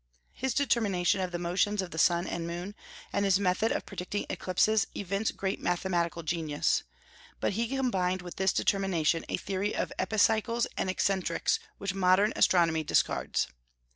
His determination of the motions of the sun and moon, and his method of predicting eclipses evince great mathematical genius. But he combined with this determination a theory of epicycles and eccentrics which modern astronomy discards.